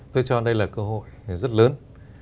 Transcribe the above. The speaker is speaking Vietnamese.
tôi cho đây là cơ hội rất lớn